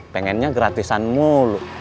pengennya gratisan mulu